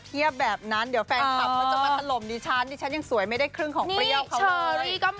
เดี๋ยวแฟนคลับมันจะมาทะลมดิฉัน